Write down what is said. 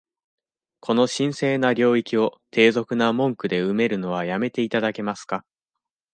この神聖な領域を、低俗な文句で埋めるのは止めて頂けますか？